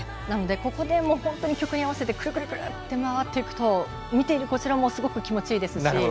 なので、ここで曲に合わせてくるくるくるって回っていくと見ているこちらもすごく気持ちいいですし。